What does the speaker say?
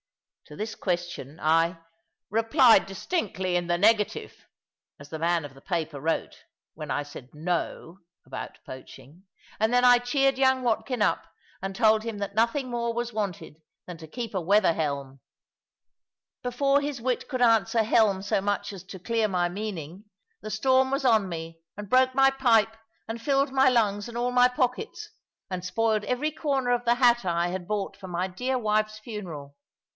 To this question I "replied distinctly in the negative" (as the man of the paper wrote, when I said "no" about poaching); and then I cheered young Watkin up, and told him that nothing more was wanted than to keep a weather helm. Before his wit could answer helm so much as to clear my meaning, the storm was on me, and broke my pipe, and filled my lungs and all my pockets, and spoiled every corner of the hat I had bought for my dear wife's funeral.